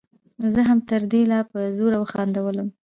زه هم تر ده لا په زوره وخندلم.